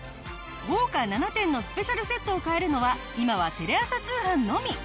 豪華７点のスペシャルセットを買えるのは今はテレ朝通販のみ！